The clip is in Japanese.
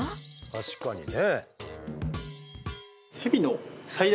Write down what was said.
確かにね。